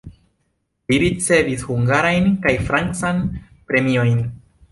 Li ricevis hungarajn kaj francan premiojn.